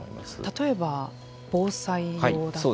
例えば防災用だったり。